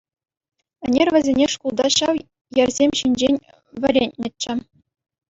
Ӗнер вӗсене шкулта ҫав йӗрсем ҫинчен вӗрентнӗччӗ.